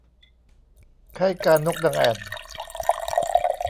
ไข้กาฬนกนางแอ่น